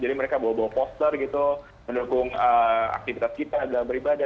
jadi mereka bawa bawa poster gitu mendukung aktivitas kita adalah beribadah